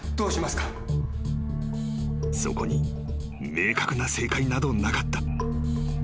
［そこに明確な正解などなかった］